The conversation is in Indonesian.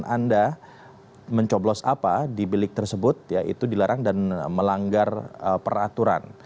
pilihan anda mencoblos apa di bilik tersebut ya itu dilarang dan melanggar peraturan